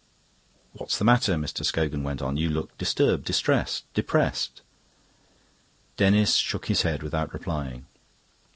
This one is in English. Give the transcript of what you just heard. "What's the matter?" Mr. Scogan went on. "you look disturbed, distressed, depressed." Denis shook his head without replying.